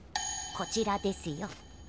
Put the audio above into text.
こちらですよ。